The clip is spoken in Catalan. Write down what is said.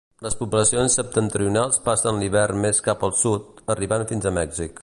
Les poblacions septentrionals passen l'hivern més cap al sud, arribant fins a Mèxic.